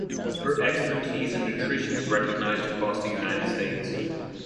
Her expertise in nutrition was recognized across the United States.